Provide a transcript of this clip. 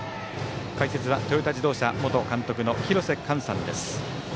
解説はトヨタ自動車元監督の廣瀬寛さんです。